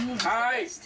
はい。